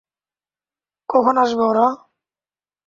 কখন আসবে ওরা?